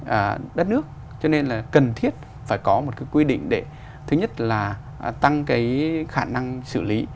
và đất nước cho nên là cần thiết phải có một cái quy định để thứ nhất là tăng cái khả năng xử lý